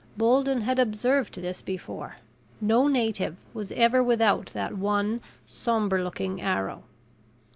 Bolden had observed this before no native was ever without that one somber looking arrow.